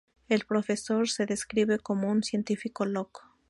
El Profesor se describe como un científico loco.